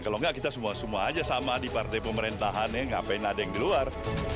kalau enggak kita semua semua aja sama di partai pemerintahannya ngapain ada yang di luar